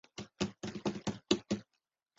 批次间的闲置停顿时间被称为停机时间。